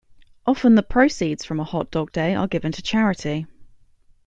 Often the proceeds from a hot dog day are given to charity.